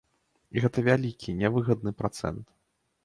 Гэта вялікі, нявыгадны працэнт.